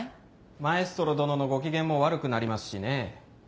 マエストロ殿のご機嫌も悪くなりますしね。